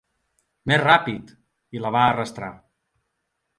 "Més ràpid!" i la va arrastrar.